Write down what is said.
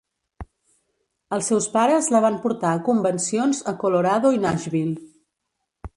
Els seus pares la van portar a convencions a Colorado i Nashville.